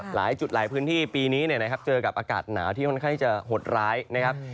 หลายจุดหลายพื้นที่ปีนี้นะครับเจอกับอากาศหนาวที่ค่อนข้างจะหดร้ายนะครับ